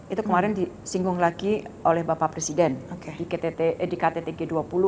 itu kemarin disinggung lagi oleh bapak presiden di ktt g dua puluh